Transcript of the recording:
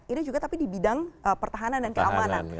ini juga tapi di bidang pertahanan dan keamanan